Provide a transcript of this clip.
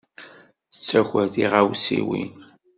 Tettaker tiɣawsiwin.